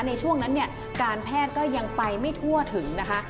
ในช่วงนั้นเนี่ยการแพทย์ก็ยังไปไม่ทั่วถึงนะคะ